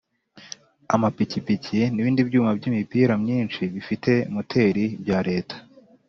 Amapikipiki n’ibindi byuma by’imipira myinshi bifite moteri bya Leta